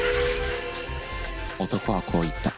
男はこう言った。